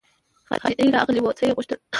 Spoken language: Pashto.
خارجۍ راغلې وه څه يې غوښتل.